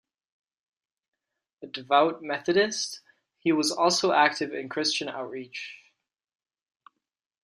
A devout Methodist, he was also active in Christian outreach.